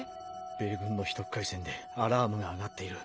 米軍の秘匿回線でアラームが上がっている。